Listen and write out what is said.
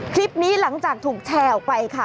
คลิปนี้หลังจากถูกแชร์ไปค่ะ